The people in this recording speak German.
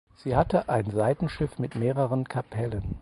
Sie hatte ein Seitenschiff mit mehreren Kapellen.